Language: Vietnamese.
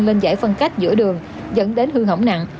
lên giải phân cách giữa đường dẫn đến hư hỏng nặng